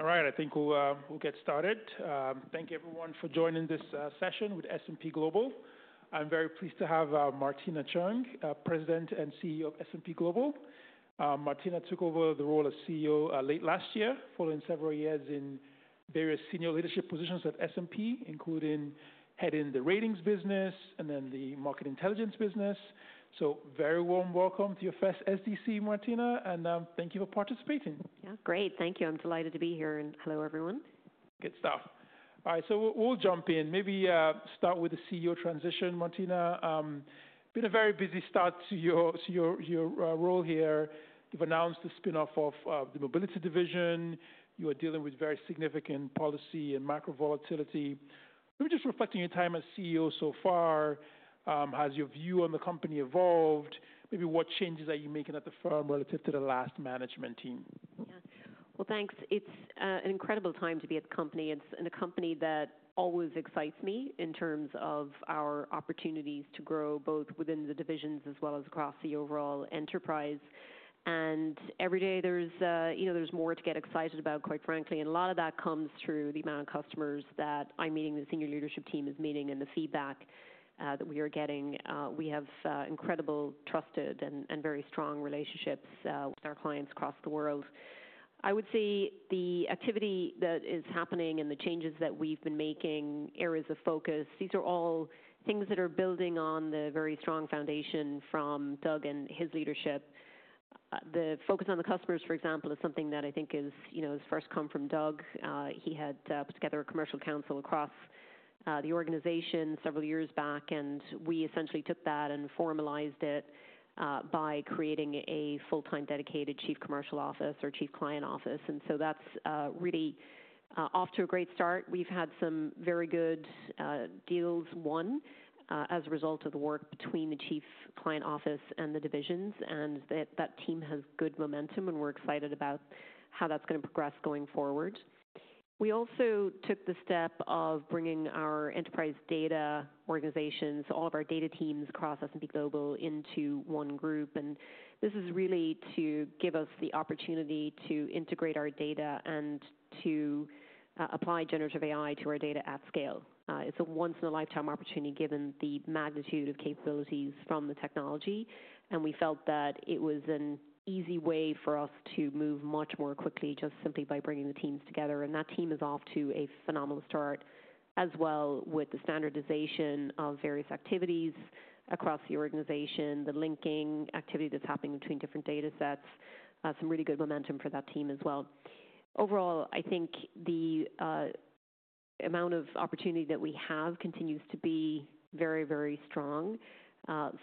All right, I think we'll get started. Thank you, everyone, for joining this session with S&P Global. I'm very pleased to have Martina Cheung, President and CEO of S&P Global. Martina took over the role of CEO late last year, following several years in various senior leadership positions at S&P, including heading the Ratings business and then the Market Intelligence business. So very warm welcome to your first SDC, Martina, and thank you for participating. Yeah, great. Thank you. I'm delighted to be here. And hello, everyone. Good stuff. All right, so we'll jump in. Maybe start with the CEO transition, Martina. It's been a very busy start to your role here. You've announced the spinoff of the Mobility Division. You are dealing with very significant policy and macro volatility. Just reflecting your time as CEO so far, has your view on the company evolved? Maybe what changes are you making at the firm relative to the last management team? Yeah, thanks. It's an incredible time to be at the company. It's a company that always excites me in terms of our opportunities to grow both within the divisions as well as across the overall enterprise. Every day there's more to get excited about, quite frankly. A lot of that comes through the amount of customers that I'm meeting, the senior leadership team is meeting, and the feedback that we are getting. We have incredible, trusted, and very strong relationships with our clients across the world. I would say the activity that is happening and the changes that we've been making, areas of focus, these are all things that are building on the very strong foundation from Doug and his leadership. The focus on the customers, for example, is something that I think has first come from Doug. He had put together a commercial council across the organization several years back, and we essentially took that and formalized it by creating a full-time dedicated Chief Commercial Office or Chief Client Office. That is really off to a great start. We've had some very good deals won as a result of the work between the Chief Client Office and the divisions, and that team has good momentum, and we're excited about how that's going to progress going forward. We also took the step of bringing our enterprise data organizations, all of our data teams across S&P Global into one group. This is really to give us the opportunity to integrate our data and to apply generative AI to our data at scale. It's a once-in-a-lifetime opportunity given the magnitude of capabilities from the technology, and we felt that it was an easy way for us to move much more quickly just simply by bringing the teams together. That team is off to a phenomenal start as well with the standardization of various activities across the organization, the linking activity that's happening between different data sets, some really good momentum for that team as well. Overall, I think the amount of opportunity that we have continues to be very, very strong.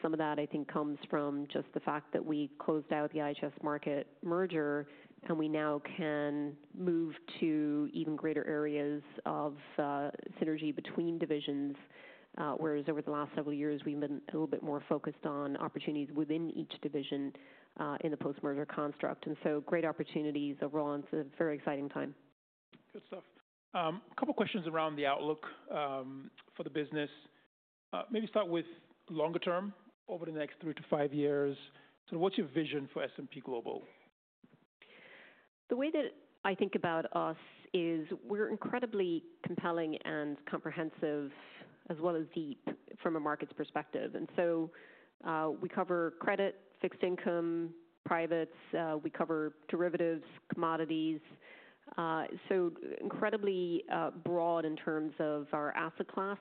Some of that, I think, comes from just the fact that we closed out the IHS Markit merger, and we now can move to even greater areas of synergy between divisions, whereas over the last several years, we've been a little bit more focused on opportunities within each division in the post-merger construct. Great opportunities overall. It's a very exciting time. Good stuff. A couple of questions around the outlook for the business. Maybe start with longer term, over the next three to five years. What's your vision for S&P Global? The way that I think about us is we're incredibly compelling and comprehensive as well as deep from a markets perspective. We cover credit, fixed income, privates. We cover derivatives, commodities. Incredibly broad in terms of our asset class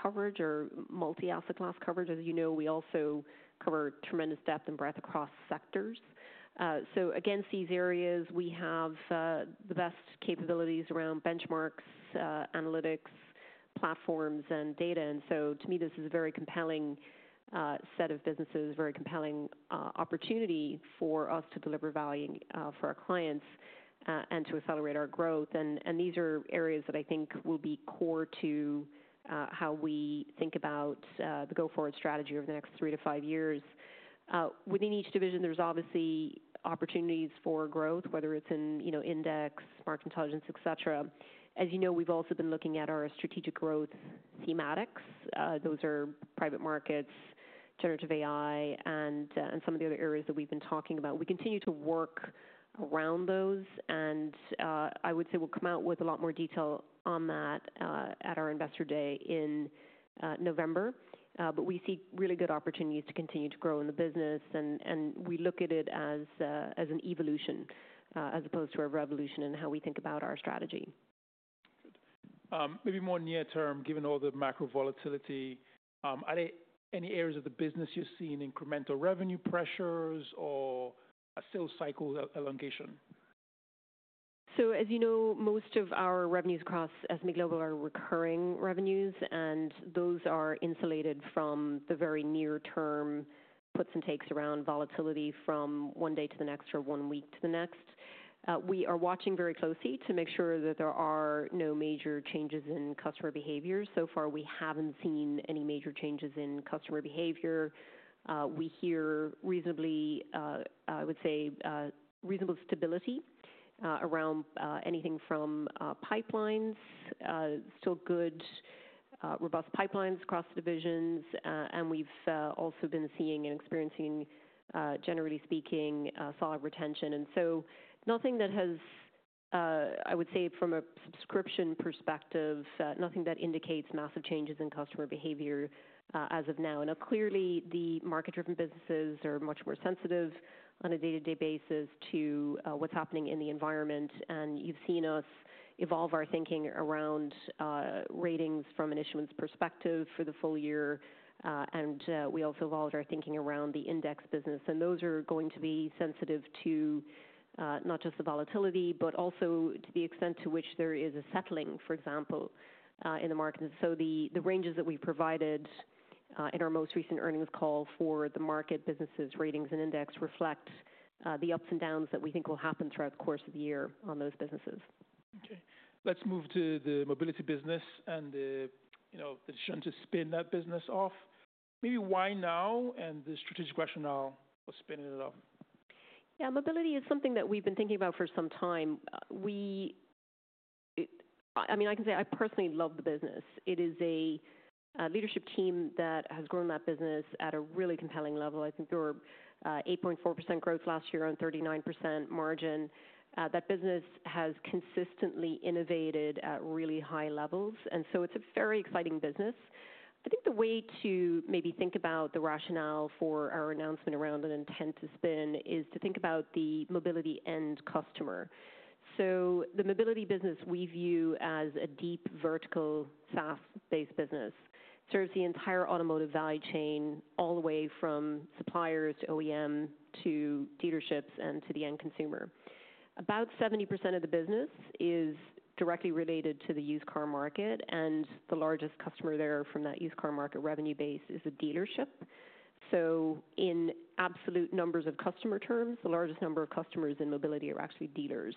coverage or multi-asset class coverage. As you know, we also cover tremendous depth and breadth across sectors. Against these areas, we have the best capabilities around benchmarks, analytics, platforms, and data. To me, this is a very compelling set of businesses, a very compelling opportunity for us to deliver value for our clients and to accelerate our growth. These are areas that I think will be core to how we think about the go-forward strategy over the next three to five years. Within each division, there's obviously opportunities for growth, whether it's in index, market intelligence, et cetera. As you know, we've also been looking at our strategic growth thematic. Those are private markets, generative AI, and some of the other areas that we've been talking about. We continue to work around those, and I would say we'll come out with a lot more detail on that at our Investor Day in November. We see really good opportunities to continue to grow in the business, and we look at it as an evolution as opposed to a revolution in how we think about our strategy. Maybe more near term, given all the macro volatility, are there any areas of the business you're seeing incremental revenue pressures or a sales cycle elongation? As you know, most of our revenues across S&P Global are recurring revenues, and those are insulated from the very near-term puts and takes around volatility from one day to the next or one week to the next. We are watching very closely to make sure that there are no major changes in customer behavior. So far, we have not seen any major changes in customer behavior. We hear reasonably, I would say, reasonable stability around anything from pipelines, still good, robust pipelines across the divisions. We have also been seeing and experiencing, generally speaking, solid retention. Nothing that has, I would say, from a subscription perspective, nothing that indicates massive changes in customer behavior as of now. Clearly, the market-driven businesses are much more sensitive on a day-to-day basis to what is happening in the environment. You have seen us evolve our thinking around ratings from an issuance perspective for the full year. We also evolved our thinking around the Index business. Those are going to be sensitive to not just the volatility, but also to the extent to which there is a settling, for example, in the market. The ranges that we provided in our most recent earnings call for the market businesses' ratings and index reflect the ups and downs that we think will happen throughout the course of the year on those businesses. Okay. Let's move to the Mobility business and the decision to spin that business off. Maybe why now and the strategic rationale for spinning it off? Yeah, mobility is something that we've been thinking about for some time. I mean, I can say I personally love the business. It is a leadership team that has grown that business at a really compelling level. I think there were 8.4% growth last year and 39% margin. That business has consistently innovated at really high levels. It is a very exciting business. I think the way to maybe think about the rationale for our announcement around an intent to spin is to think about the mobility end customer. The Mobility business we view as a deep vertical SaaS-based business serves the entire automotive value chain all the way from suppliers to OEM to dealerships and to the end consumer. About 70% of the business is directly related to the used car market. The largest customer there from that used car market revenue base is a dealership. In absolute numbers of customer terms, the largest number of customers in Mobility are actually dealers.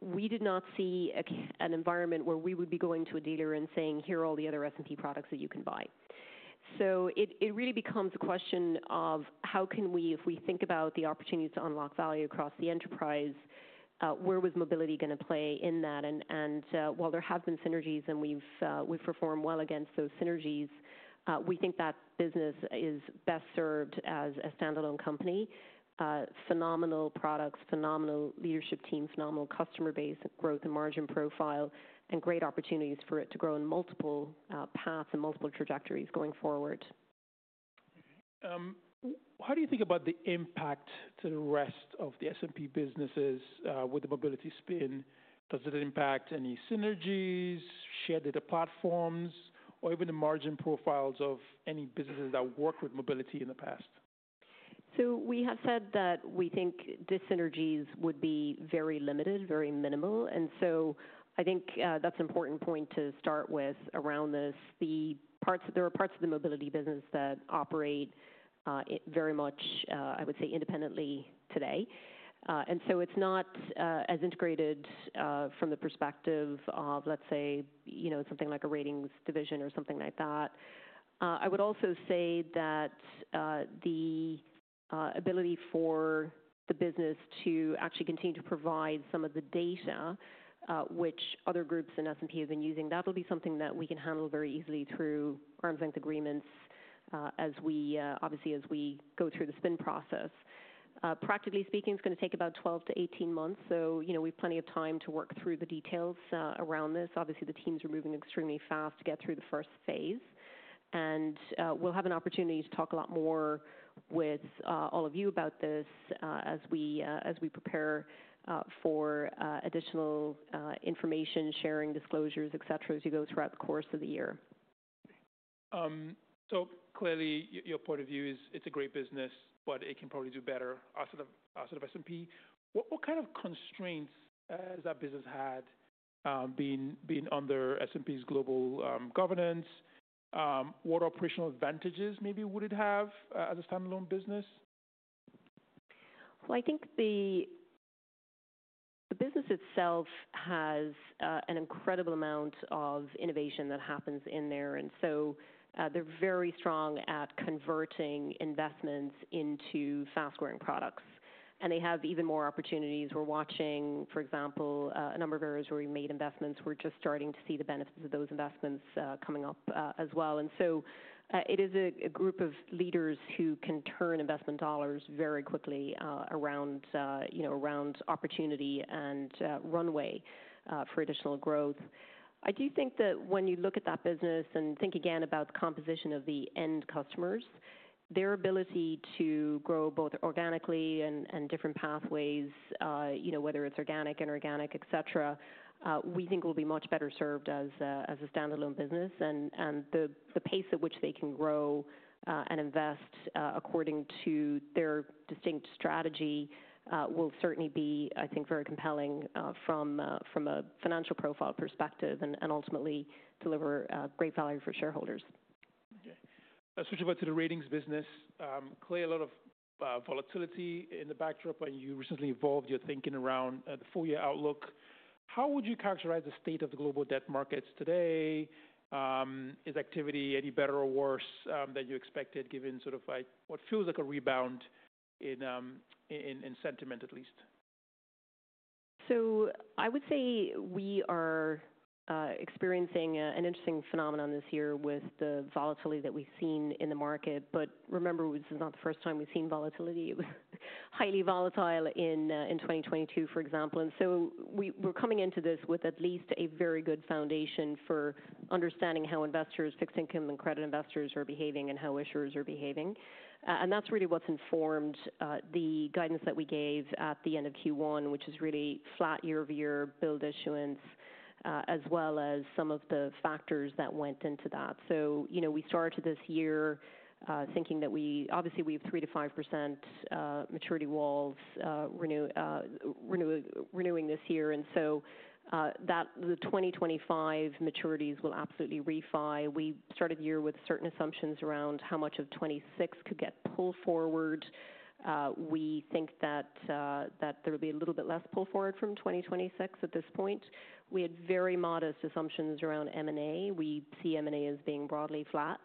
We did not see an environment where we would be going to a dealer and saying, "Here are all the other S&P products that you can buy." It really becomes a question of how can we, if we think about the opportunities to unlock value across the enterprise, where was Mobility going to play in that? While there have been synergies and we have performed well against those synergies, we think that business is best served as a standalone company. Phenomenal products, phenomenal leadership team, phenomenal customer base and growth and margin profile, and great opportunities for it to grow in multiple paths and multiple trajectories going forward. How do you think about the impact to the rest of the S&P Global businesses with the mobility spin? Does it impact any synergies, shared data platforms, or even the margin profiles of any businesses that worked with mobility in the past? We have said that we think disynergies would be very limited, very minimal. I think that's an important point to start with around this. There are parts of the Mobility business that operate very much, I would say, independently today. It's not as integrated from the perspective of, let's say, something like a ratings division or something like that. I would also say that the ability for the business to actually continue to provide some of the data which other groups in S&P have been using, that'll be something that we can handle very easily through arm's length agreements obviously as we go through the spin process. Practically speaking, it's going to take about 12-18 months. We have plenty of time to work through the details around this. Obviously, the team's moving extremely fast to get through the first phase. We will have an opportunity to talk a lot more with all of you about this as we prepare for additional information, sharing disclosures, et cetera, as you go throughout the course of the year. Clearly, your point of view is it's a great business, but it can probably do better outside of S&P. What kind of constraints has that business had being under S&P Global governance? What operational advantages maybe would it have as a standalone business? I think the business itself has an incredible amount of innovation that happens in there. They are very strong at converting investments into fast-growing products. They have even more opportunities. We are watching, for example, a number of areas where we made investments. We are just starting to see the benefits of those investments coming up as well. It is a group of leaders who can turn investment dollars very quickly around opportunity and runway for additional growth. I do think that when you look at that business and think again about the composition of the end customers, their ability to grow both organically and different pathways, whether it is organic, inorganic, et cetera, we think will be much better served as a standalone business. The pace at which they can grow and invest according to their distinct strategy will certainly be, I think, very compelling from a financial profile perspective and ultimately deliver great value for shareholders. Okay. Switching over to the Ratings business. Clearly, a lot of volatility in the backdrop, and you recently evolved your thinking around the four-year outlook. How would you characterize the state of the global debt markets today? Is activity any better or worse than you expected given sort of what feels like a rebound in sentiment, at least? I would say we are experiencing an interesting phenomenon this year with the volatility that we've seen in the market. Remember, this is not the first time we've seen volatility. It was highly volatile in 2022, for example. We are coming into this with at least a very good foundation for understanding how investors, fixed income and credit investors are behaving and how issuers are behaving. That is really what's informed the guidance that we gave at the end of Q1, which is really flat year-over-year build issuance as well as some of the factors that went into that. We started this year thinking that we obviously have 3%-5% maturity walls renewing this year. The 2025 maturities will absolutely refi. We started the year with certain assumptions around how much of 2026 could get pulled forward. We think that there will be a little bit less pull forward from 2026 at this point. We had very modest assumptions around M&A. We see M&A as being broadly flat.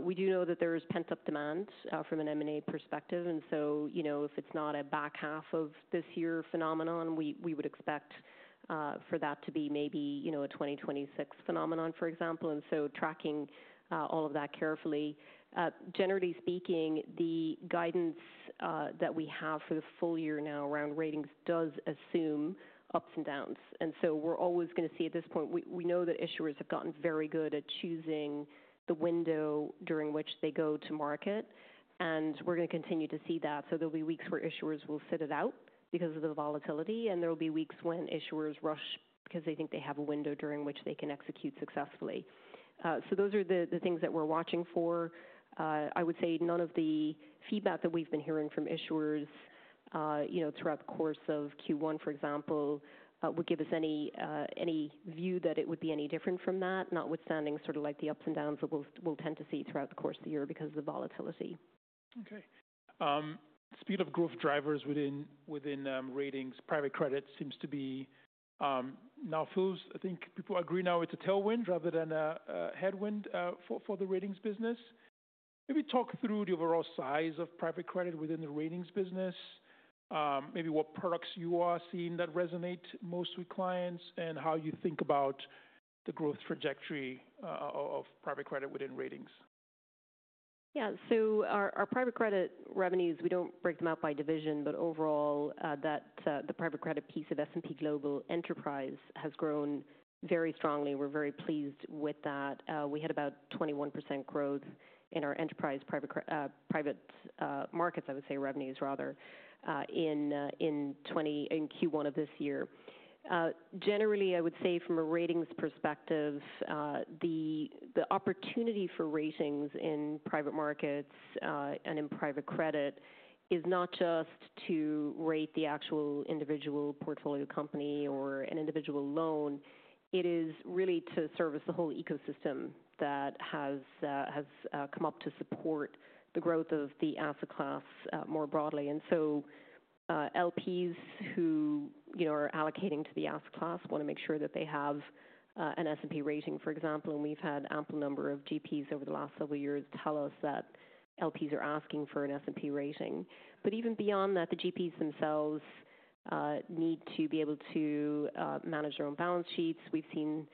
We do know that there is pent-up demand from an M&A perspective. If it is not a back half of this year phenomenon, we would expect for that to be maybe a 2026 phenomenon, for example. Tracking all of that carefully. Generally speaking, the guidance that we have for the full year now around ratings does assume ups and downs. We are always going to see at this point, we know that issuers have gotten very good at choosing the window during which they go to market. We are going to continue to see that. There will be weeks where issuers will sit it out because of the volatility. There'll be weeks when issuers rush because they think they have a window during which they can execute successfully. Those are the things that we're watching for. I would say none of the feedback that we've been hearing from issuers throughout the course of Q1, for example, would give us any view that it would be any different from that, notwithstanding sort of like the ups and downs that we'll tend to see throughout the course of the year because of the volatility. Okay. Speed of growth drivers within ratings, private credit seems to be now feels, I think people agree now it's a tailwind rather than a headwind for the Ratings business. Maybe talk through the overall size of private credit within the Ratings business, maybe what products you are seeing that resonate most with clients and how you think about the growth trajectory of private credit within ratings. Yeah. So our private credit revenues, we do not break them out by division, but overall, the private credit piece of S&P Global Enterprise has grown very strongly. We are very pleased with that. We had about 21% growth in our enterprise private markets, I would say revenues rather, in Q1 of this year. Generally, I would say from a ratings perspective, the opportunity for ratings in private markets and in private credit is not just to rate the actual individual portfolio company or an individual loan. It is really to service the whole ecosystem that has come up to support the growth of the asset class more broadly. LPs who are allocating to the asset class want to make sure that they have an S&P rating, for example. We have had ample number of GPs over the last several years tell us that LPs are asking for an S&P rating. Even beyond that, the GPs themselves need to be able to manage their own balance sheets. We have seen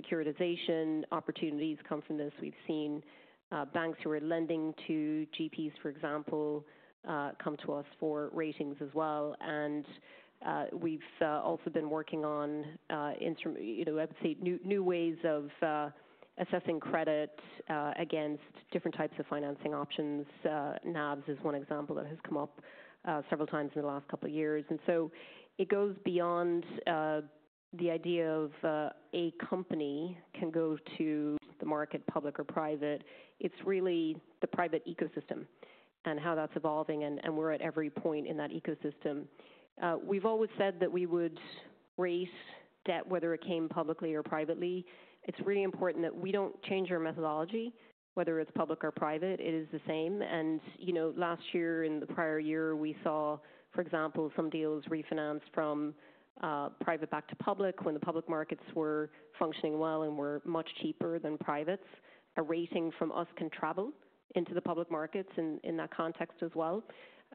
securitization opportunities come from this. We have seen banks who are lending to GPs, for example, come to us for ratings as well. We have also been working on, I would say, new ways of assessing credit against different types of financing options. NAV is one example that has come up several times in the last couple of years. It goes beyond the idea of a company can go to the market, public or private. It is really the private ecosystem and how that is evolving. We are at every point in that ecosystem. We have always said that we would raise debt whether it came publicly or privately. It's really important that we don't change our methodology, whether it's public or private. It is the same. Last year and the prior year, we saw, for example, some deals refinanced from private back to public when the public markets were functioning well and were much cheaper than privates. A rating from us can travel into the public markets in that context as well.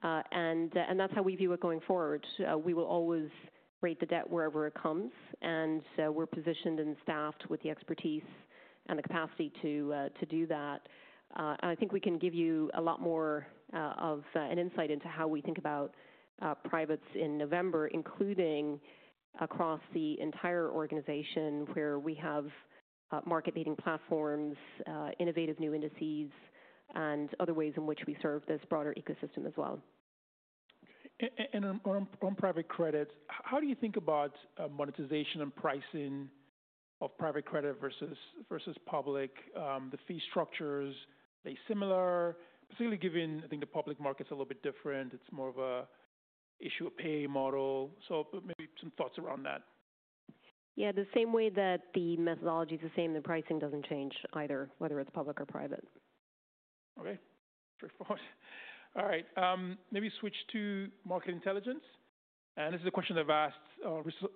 That is how we view it going forward. We will always rate the debt wherever it comes. We are positioned and staffed with the expertise and the capacity to do that. I think we can give you a lot more of an insight into how we think about privates in November, including across the entire organization where we have market-leading platforms, innovative new indices, and other ways in which we serve this broader ecosystem as well. On private credit, how do you think about monetization and pricing of private credit versus public? The fee structures, are they similar? Particularly given, I think the public market's a little bit different. It's more of an issue of pay model. Maybe some thoughts around that. Yeah. The same way that the methodology is the same, the pricing does not change either, whether it is public or private. Okay. Straightforward. All right. Maybe switch to market intelligence. And this is a question I've asked,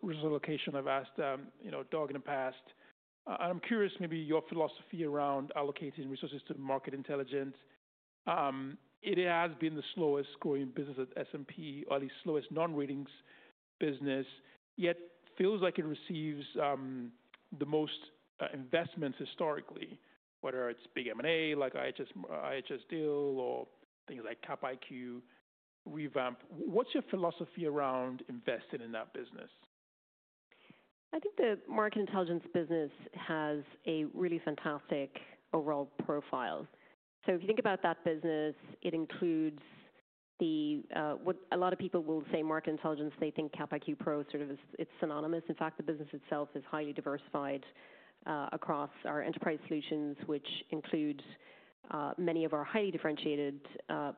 resource allocation I've asked, Doug in the past. And I'm curious maybe your philosophy around allocating resources to market intelligence. It has been the slowest growing business at S&P, or the slowest non-Ratings business, yet feels like it receives the most investments historically, whether it's big M&A like IHS Markit deal or things like Capital IQ, revamp. What's your philosophy around investing in that business? I think the Market Intelligence business has a really fantastic overall profile. If you think about that business, it includes what a lot of people will say market intelligence, they think Capital IQ Pro, sort of it's synonymous. In fact, the business itself is highly diversified across our enterprise solutions, which includes many of our highly differentiated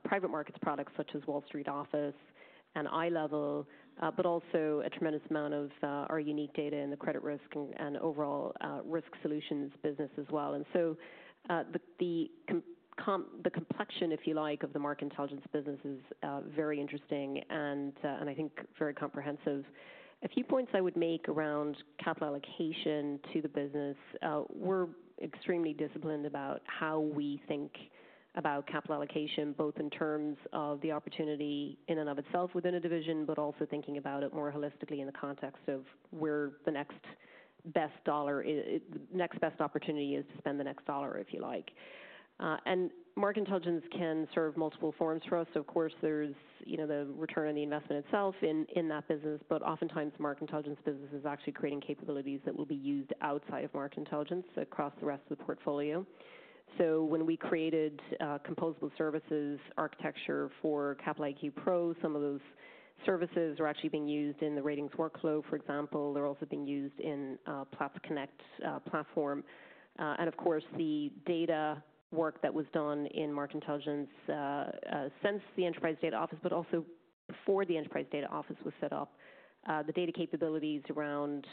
private markets products such as Wall Street Office and iLevel, but also a tremendous amount of our unique data in the credit risk and overall risk solutions business as well. The complexion, if you like, of the Market Intelligence business is very interesting and I think very comprehensive. A few points I would make around capital allocation to the business. We're extremely disciplined about how we think about capital allocation, both in terms of the opportunity in and of itself within a division, but also thinking about it more holistically in the context of where the next best dollar, the next best opportunity is to spend the next dollar, if you like. Market intelligence can serve multiple forms for us. Of course, there's the return on the investment itself in that business. Oftentimes, Market Intelligence business is actually creating capabilities that will be used outside of market intelligence across the rest of the portfolio. When we created composable services architecture for Capital IQ Pro, some of those services are actually being used in the ratings workflow, for example. They're also being used in Platts Connect platform. Of course, the data work that was done in Market Intelligence since the Enterprise Data Office, but also before the Enterprise Data Office was set up, the data capabilities around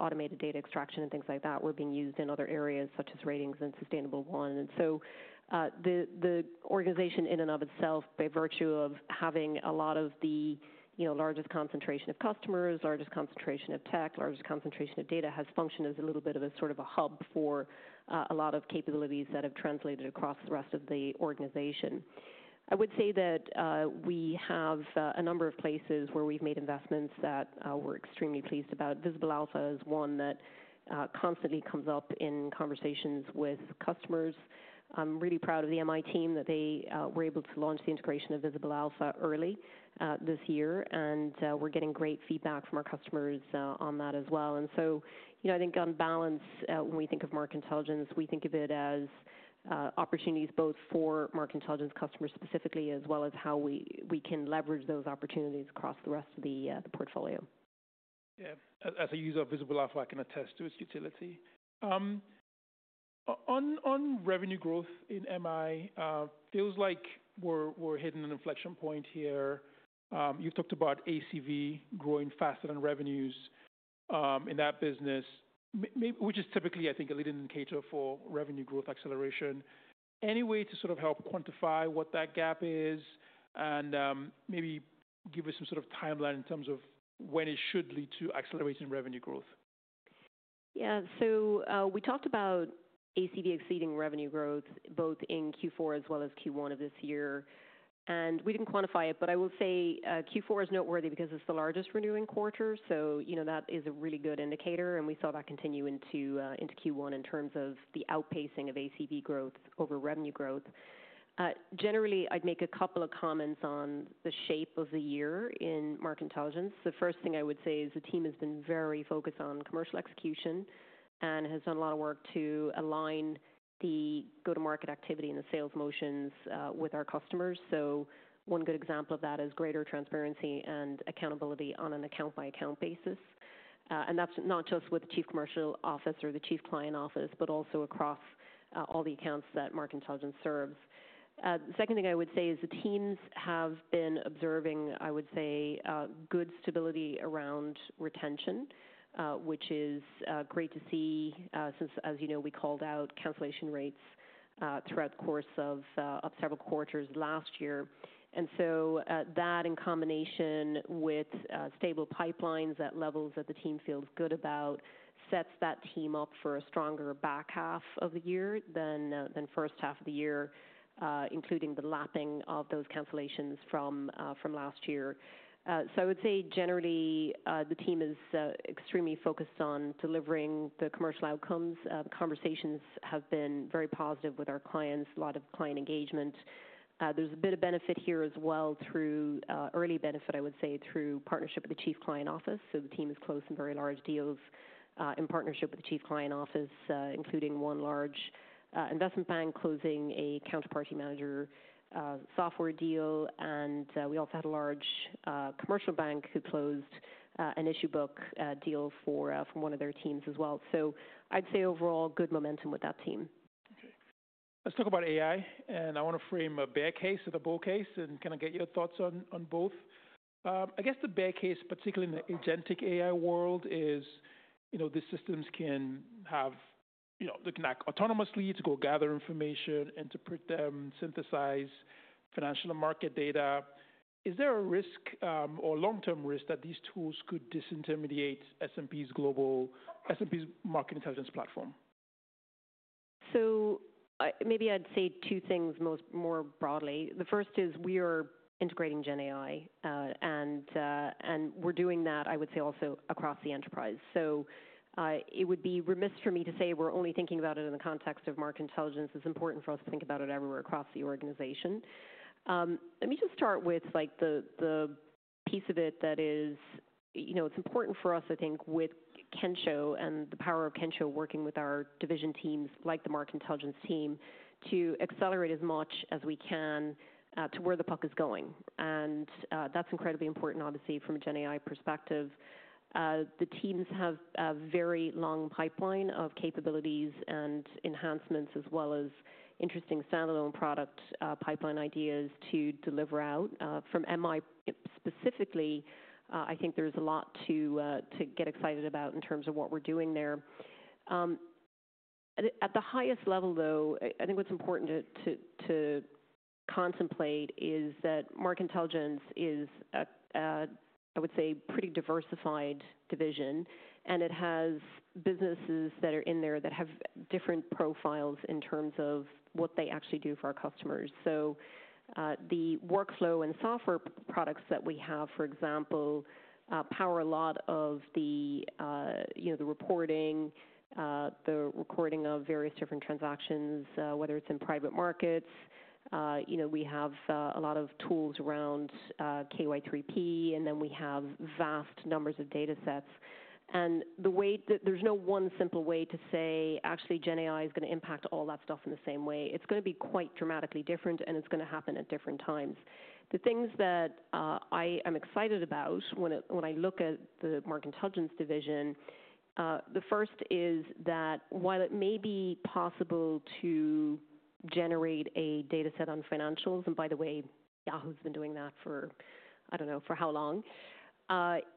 automated data extraction and things like that were being used in other areas such as Ratings and Sustainable1. The organization in and of itself, by virtue of having a lot of the largest concentration of customers, largest concentration of tech, largest concentration of data, has functioned as a little bit of a sort of a hub for a lot of capabilities that have translated across the rest of the organization. I would say that we have a number of places where we've made investments that we're extremely pleased about. Visible Alpha is one that constantly comes up in conversations with customers. I'm really proud of the MI team that they were able to launch the integration of Visible Alpha early this year. We're getting great feedback from our customers on that as well. I think on balance, when we think of market intelligence, we think of it as opportunities both for market intelligence customers specifically as well as how we can leverage those opportunities across the rest of the portfolio. Yeah. As a user of Visible Alpha, I can attest to its utility. On revenue growth in MI, it feels like we're hitting an inflection point here. You've talked about ACV growing faster than revenues in that business, which is typically, I think, a leading indicator for revenue growth acceleration. Any way to sort of help quantify what that gap is and maybe give us some sort of timeline in terms of when it should lead to accelerating revenue growth? Yeah. We talked about ACV exceeding revenue growth both in Q4 as well as Q1 of this year. We did not quantify it, but I will say Q4 is noteworthy because it is the largest renewing quarter. That is a really good indicator. We saw that continue into Q1 in terms of the outpacing of ACV growth over revenue growth. Generally, I would make a couple of comments on the shape of the year in market intelligence. The first thing I would say is the team has been very focused on commercial execution and has done a lot of work to align the go-to-market activity and the sales motions with our customers. One good example of that is greater transparency and accountability on an account-by-account basis. That is not just with the Chief Commercial Office or the Chief Client Office, but also across all the accounts that Market Intelligence serves. The second thing I would say is the teams have been observing, I would say, good stability around retention, which is great to see since, as you know, we called out cancellation rates throughout the course of several quarters last year. That in combination with stable pipelines at levels that the team feels good about sets that team up for a stronger back half of the year than first half of the year, including the lapping of those cancellations from last year. I would say generally the team is extremely focused on delivering the commercial outcomes. Conversations have been very positive with our clients, a lot of client engagement. There's a bit of benefit here as well through early benefit, I would say, through partnership with the Chief Client Office. The team is closing very large deals in partnership with the Chief Client Office, including one large investment bank closing a Counterparty Manager software deal. We also had a large commercial bank who closed an issue book deal from one of their teams as well. I'd say overall good momentum with that team. Okay. Let's talk about AI. I want to frame a bear case and a bull case. Can I get your thoughts on both? I guess the bear case, particularly in the agentic AI world, is these systems can act autonomously to go gather information, interpret them, synthesize financial and market data. Is there a risk or long-term risk that these tools could disintermediate S&P Global's market intelligence platform? Maybe I'd say two things more broadly. The first is we are integrating GenAI, and we're doing that, I would say, also across the enterprise. It would be remiss for me to say we're only thinking about it in the context of market intelligence. It's important for us to think about it everywhere across the organization. Let me just start with the piece of it that is it's important for us, I think, with Kensho and the power of Kensho working with our division teams like the market intelligence team to accelerate as much as we can to where the puck is going. That's incredibly important, obviously, from a GenAI perspective. The teams have a very long pipeline of capabilities and enhancements as well as interesting standalone product pipeline ideas to deliver out. From MI specifically, I think there's a lot to get excited about in terms of what we're doing there. At the highest level, though, I think what's important to contemplate is that market intelligence is, I would say, a pretty diversified division. It has businesses that are in there that have different profiles in terms of what they actually do for our customers. The workflow and software products that we have, for example, power a lot of the reporting, the recording of various different transactions, whether it's in private markets. We have a lot of tools around KY3P, and then we have vast numbers of data sets. There's no one simple way to say, actually, GenAI is going to impact all that stuff in the same way. It's going to be quite dramatically different, and it's going to happen at different times. The things that I am excited about when I look at the Market Intelligence division, the first is that while it may be possible to generate a data set on financials, and by the way, Yahoo has been doing that for, I don't know, for how long,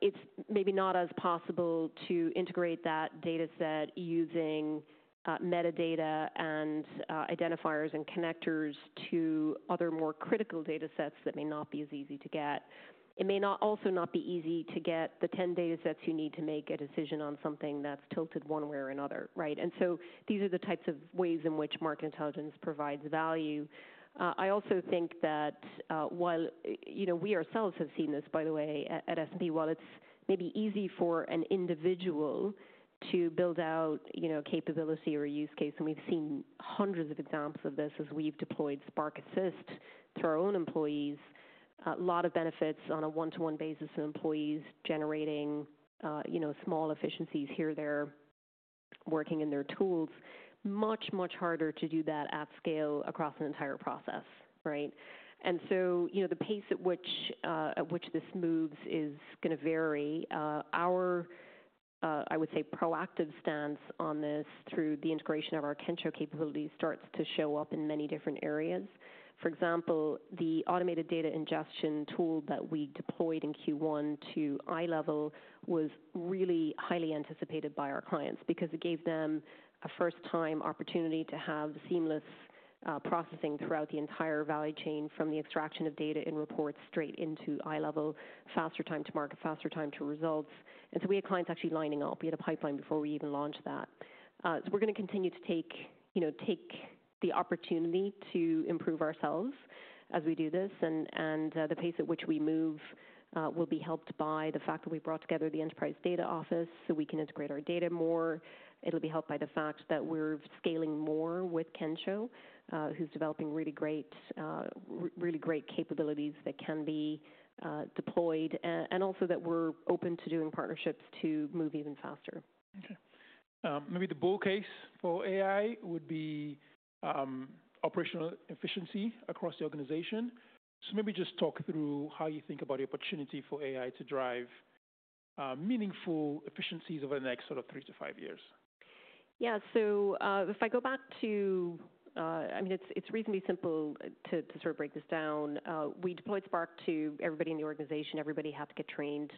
it's maybe not as possible to integrate that data set using metadata and identifiers and connectors to other more critical data sets that may not be as easy to get. It may also not be easy to get the 10 data sets you need to make a decision on something that's tilted one way or another, right? These are the types of ways in which Market Intelligence provides value. I also think that while we ourselves have seen this, by the way, at S&P, while it's maybe easy for an individual to build out a capability or a use case, and we've seen hundreds of examples of this as we've deployed Spark Assist to our own employees, a lot of benefits on a one-to-one basis in employees generating small efficiencies here, there, working in their tools, much, much harder to do that at scale across an entire process, right? The pace at which this moves is going to vary. Our, I would say, proactive stance on this through the integration of our Kensho capability starts to show up in many different areas. For example, the automated data ingestion tool that we deployed in Q1 to iLevel was really highly anticipated by our clients because it gave them a first-time opportunity to have seamless processing throughout the entire value chain from the extraction of data and reports straight into iLevel, faster time to market, faster time to results. We had clients actually lining up. We had a pipeline before we even launched that. We are going to continue to take the opportunity to improve ourselves as we do this. The pace at which we move will be helped by the fact that we brought together the Enterprise Data Office so we can integrate our data more. It will be helped by the fact that we are scaling more with Kensho, who is developing really great capabilities that can be deployed, and also that we are open to doing partnerships to move even faster. Okay. Maybe the bull case for AI would be operational efficiency across the organization. Maybe just talk through how you think about the opportunity for AI to drive meaningful efficiencies over the next sort of three to five years. Yeah. If I go back to, I mean, it's reasonably simple to sort of break this down. We deployed Spark to everybody in the organization. Everybody had to get trained.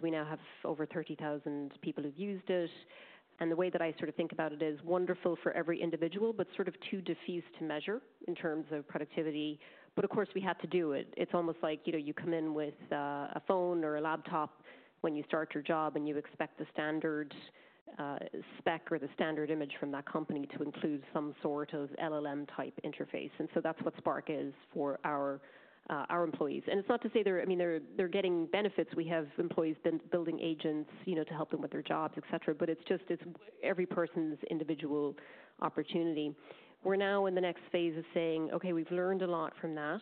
We now have over 30,000 people who've used it. The way that I sort of think about it is wonderful for every individual, but sort of too diffuse to measure in terms of productivity. Of course, we had to do it. It's almost like you come in with a phone or a laptop when you start your job, and you expect the standard spec or the standard image from that company to include some sort of LLM-type interface. That's what Spark is for our employees. It's not to say they're, I mean, they're getting benefits. We have employees building agents to help them with their jobs, et cetera. It is just every person's individual opportunity. We are now in the next phase of saying, okay, we have learned a lot from that.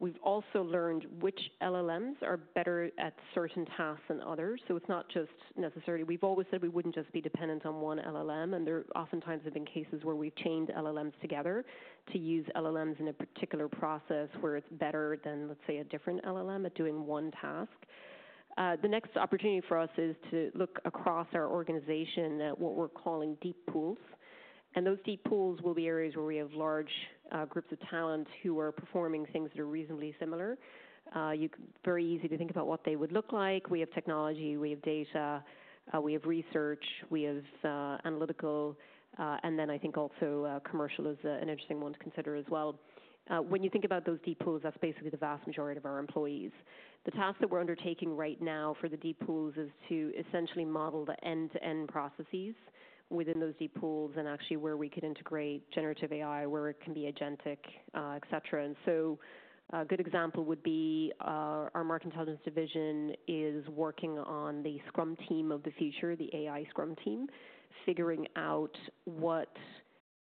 We have also learned which LLMs are better at certain tasks than others. It is not just necessarily, we have always said we would not just be dependent on one LLM. There oftentimes have been cases where we have chained LLMs together to use LLMs in a particular process where it is better than, let us say, a different LLM at doing one task. The next opportunity for us is to look across our organization at what we are calling deep pools. Those deep pools will be areas where we have large groups of talent who are performing things that are reasonably similar. Very easy to think about what they would look like. We have technology, we have data, we have research, we have analytical, and then I think also commercial is an interesting one to consider as well. When you think about those deep pools, that's basically the vast majority of our employees. The task that we're undertaking right now for the deep pools is to essentially model the end-to-end processes within those deep pools and actually where we could integrate generative AI, where it can be agentic, et cetera. A good example would be our Market Intelligence division is working on the Scrum Team of the Future, the AI Scrum Team, figuring out what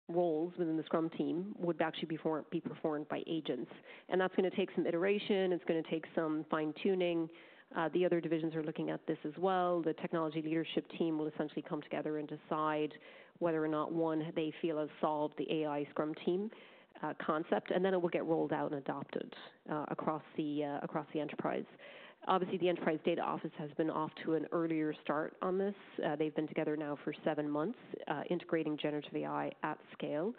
roles within the Scrum Team would actually be performed by agents. That's going to take some iteration. It's going to take some fine-tuning. The other divisions are looking at this as well. The technology leadership team will essentially come together and decide whether or not, one, they feel has solved the AI Scrum Team concept. It will get rolled out and adopted across the enterprise. Obviously, the Enterprise Data Office has been off to an earlier start on this. They've been together now for seven months integrating generative AI at scale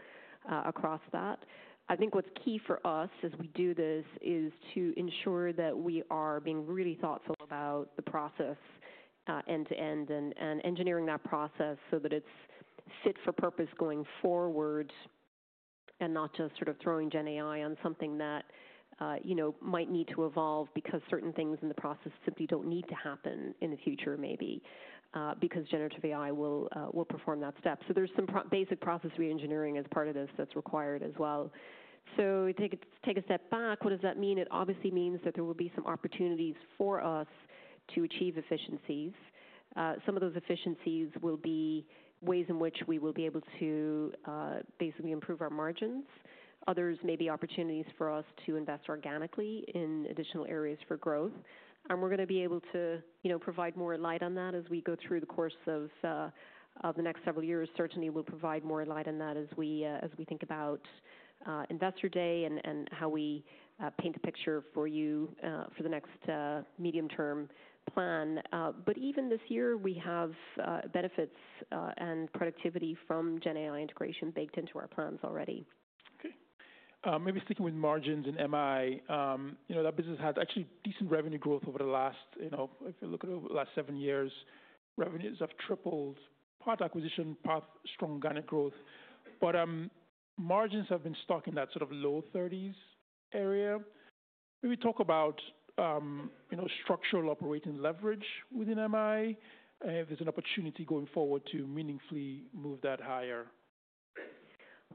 across that. I think what's key for us as we do this is to ensure that we are being really thoughtful about the process end-to-end and engineering that process so that it's fit for purpose going forward and not just sort of throwing GenAI on something that might need to evolve because certain things in the process simply don't need to happen in the future maybe because generative AI will perform that step. There's some basic process re-engineering as part of this that's required as well. To take a step back, what does that mean? It obviously means that there will be some opportunities for us to achieve efficiencies. Some of those efficiencies will be ways in which we will be able to basically improve our margins. Others may be opportunities for us to invest organically in additional areas for growth. We are going to be able to provide more light on that as we go through the course of the next several years. Certainly, we will provide more light on that as we think about Investor Day and how we paint a picture for you for the next medium-term plan. Even this year, we have benefits and productivity from GenAI integration baked into our plans already. Okay. Maybe sticking with margins and MI, that business had actually decent revenue growth over the last, if you look at the last seven years, revenues have tripled, part acquisition, part strong organic growth. Margins have been stuck in that sort of low 30% area. Maybe talk about structural operating leverage within MI if there's an opportunity going forward to meaningfully move that higher.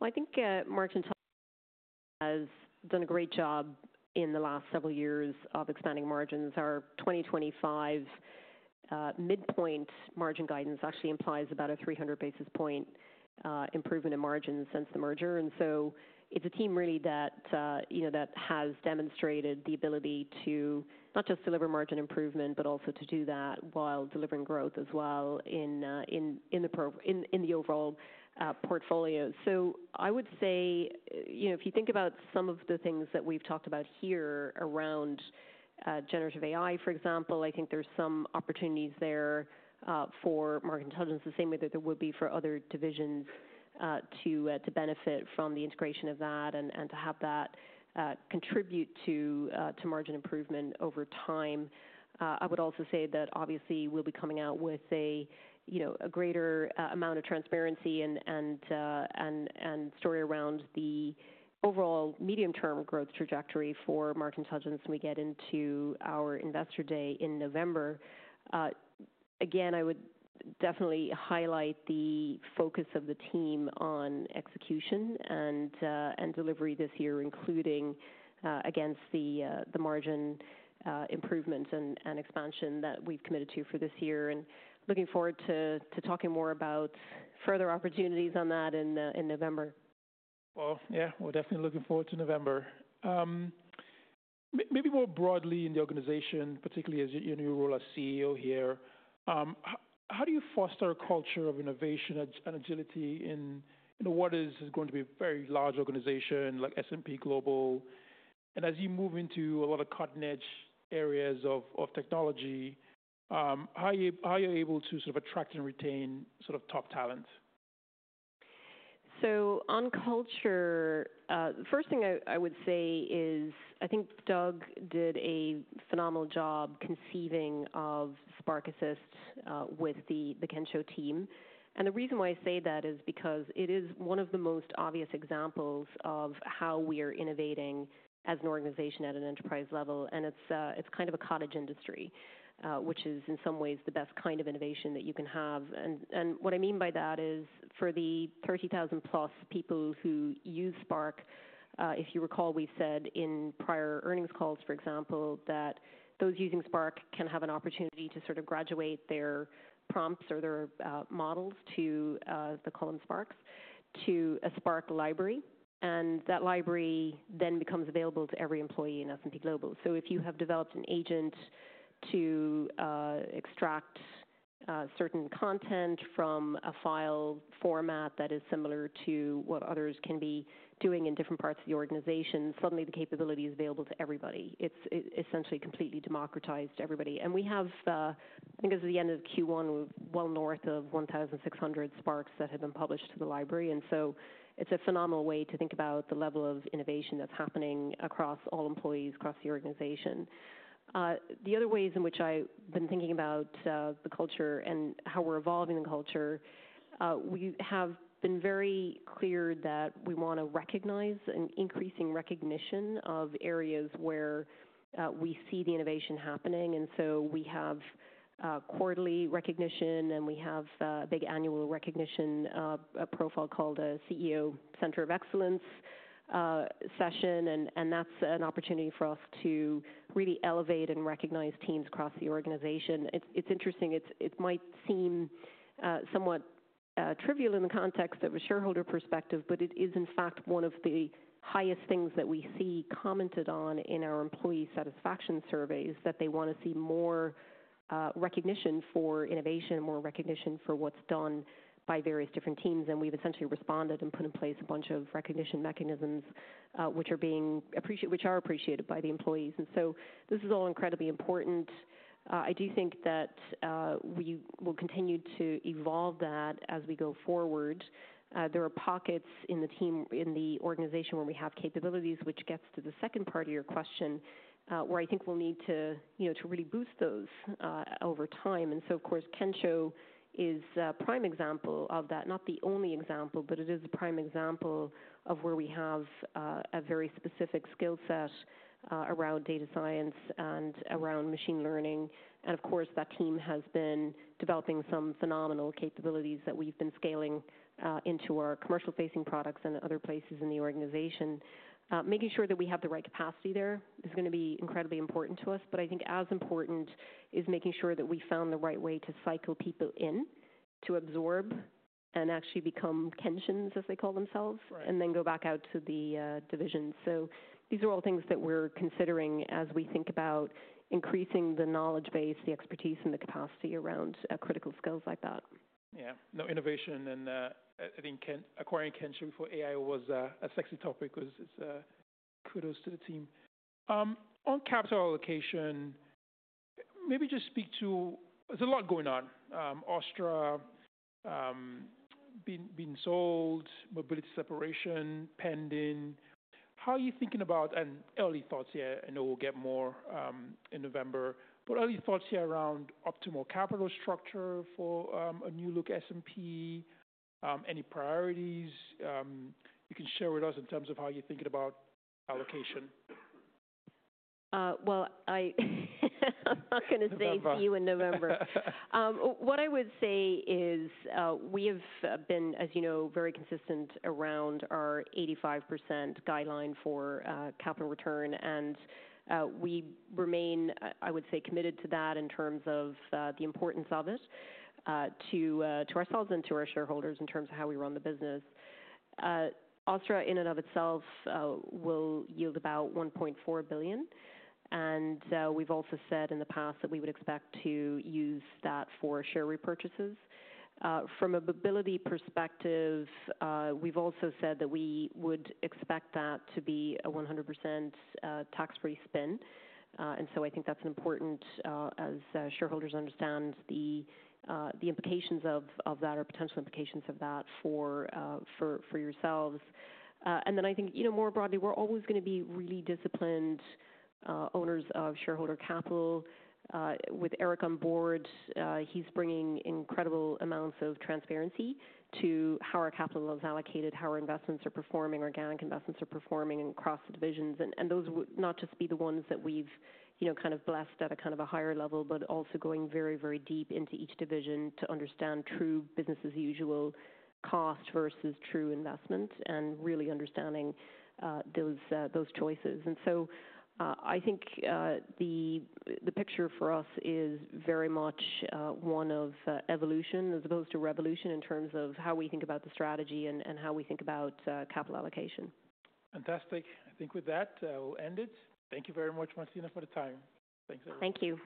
I think margin has done a great job in the last several years of expanding margins. Our 2025 midpoint margin guidance actually implies about a 300 basis point improvement in margins since the merger. It is a team really that has demonstrated the ability to not just deliver margin improvement, but also to do that while delivering growth as well in the overall portfolio. I would say if you think about some of the things that we have talked about here around generative AI, for example, I think there are some opportunities there for market intelligence the same way that there would be for other divisions to benefit from the integration of that and to have that contribute to margin improvement over time. I would also say that obviously we'll be coming out with a greater amount of transparency and story around the overall medium-term growth trajectory for Market Intelligence when we get into our investor day in November. I would definitely highlight the focus of the team on execution and delivery this year, including against the margin improvement and expansion that we've committed to for this year. I am looking forward to talking more about further opportunities on that in November. Yeah, we're definitely looking forward to November. Maybe more broadly in the organization, particularly as your new role as CEO here, how do you foster a culture of innovation and agility in what is going to be a very large organization like S&P Global? As you move into a lot of cutting-edge areas of technology, how are you able to sort of attract and retain sort of top talent? On culture, the first thing I would say is I think Doug did a phenomenal job conceiving of Spark Assist with the Kensho team. The reason why I say that is because it is one of the most obvious examples of how we are innovating as an organization at an enterprise level. It is kind of a cottage industry, which is in some ways the best kind of innovation that you can have. What I mean by that is for the 30,000-plus people who use Spark, if you recall, we have said in prior earnings calls, for example, that those using Spark can have an opportunity to sort of graduate their prompts or their models to, as they call them, Sparks, to a Spark library. That library then becomes available to every employee in S&P Global. If you have developed an agent to extract certain content from a file format that is similar to what others can be doing in different parts of the organization, suddenly the capability is available to everybody. It is essentially completely democratized to everybody. We have, I think as of the end of Q1, well north of 1,600 Sparks that have been published to the library. It is a phenomenal way to think about the level of innovation that is happening across all employees, across the organization. The other ways in which I have been thinking about the culture and how we are evolving the culture, we have been very clear that we want to recognize an increasing recognition of areas where we see the innovation happening. We have quarterly recognition, and we have a big annual recognition profile called a CEO Center of Excellence session. That is an opportunity for us to really elevate and recognize teams across the organization. It is interesting. It might seem somewhat trivial in the context of a shareholder perspective, but it is in fact one of the highest things that we see commented on in our employee satisfaction surveys that they want to see more recognition for innovation, more recognition for what is done by various different teams. We have essentially responded and put in place a bunch of recognition mechanisms which are appreciated by the employees. This is all incredibly important. I do think that we will continue to evolve that as we go forward. There are pockets in the organization where we have capabilities, which gets to the second part of your question, where I think we will need to really boost those over time. Of course, Kensho is a prime example of that, not the only example, but it is a prime example of where we have a very specific skill set around data science and around machine learning. Of course, that team has been developing some phenomenal capabilities that we've been scaling into our commercial-facing products and other places in the organization. Making sure that we have the right capacity there is going to be incredibly important to us. I think as important is making sure that we found the right way to cycle people in to absorb and actually become Kenshans, as they call themselves, and then go back out to the divisions. These are all things that we're considering as we think about increasing the knowledge base, the expertise, and the capacity around critical skills like that. Yeah. No, innovation and I think acquiring Kensho before AI was a sexy topic. Kudos to the team. On capital allocation, maybe just speak to, there's a lot going on. OSTTRA being sold, mobility separation pending. How are you thinking about, and early thoughts here, I know we'll get more in November, but early thoughts here around optimal capital structure for a new look S&P Global, any priorities you can share with us in terms of how you're thinking about allocation? I'm not going to say View in November. What I would say is we have been, as you know, very consistent around our 85% guideline for capital return. We remain, I would say, committed to that in terms of the importance of it to ourselves and to our shareholders in terms of how we run the business. OSTTRA in and of itself will yield about $1.4 billion. We have also said in the past that we would expect to use that for share repurchases. From a mobility perspective, we have also said that we would expect that to be a 100% tax-free spin. I think that is important as shareholders understand the implications of that or potential implications of that for yourselves. I think more broadly, we are always going to be really disciplined owners of shareholder capital. With Eric on board, he's bringing incredible amounts of transparency to how our capital is allocated, how our investments are performing, organic investments are performing across the divisions. Those would not just be the ones that we've kind of blessed at a kind of a higher level, but also going very, very deep into each division to understand true business as usual cost versus true investment and really understanding those choices. I think the picture for us is very much one of evolution as opposed to revolution in terms of how we think about the strategy and how we think about capital allocation. Fantastic. I think with that, we'll end it. Thank you very much, Martina, for the time. Thanks everyone. Thank you.